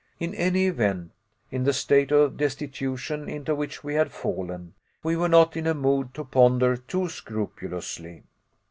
In any event, in the state of destitution into which we had fallen, we were not in a mood to ponder too scrupulously.